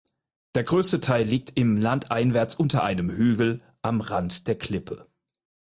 Der größte Teil liegt im landeinwärts unter einem Hügel am Rand der Klippe.